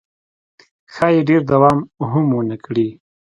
ښایي ډېر دوام هم ونه کړي.